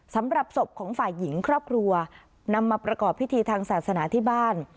สำหรับศพของฝ่ายหญิงครอบครัวนำมาประกอบพิธีทางศาสนาที่บ้าน